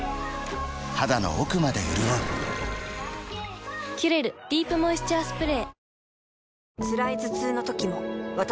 肌の奥まで潤う「キュレルディープモイスチャースプレー」